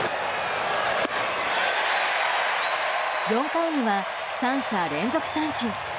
４回には３者連続三振。